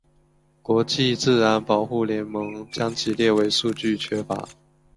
国际自然保护联盟将其列为数据缺乏。